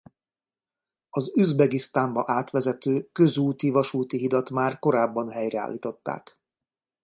Az Üzbegisztánba átvezető közúti-vasúti hidat már korábban helyreállították.